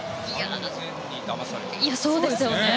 完全にだまされますね。